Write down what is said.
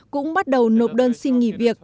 cũng bắt đầu nộp đơn xin nghỉ việc